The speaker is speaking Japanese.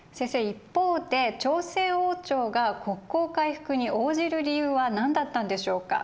一方で朝鮮王朝が国交回復に応じる理由は何だったんでしょうか。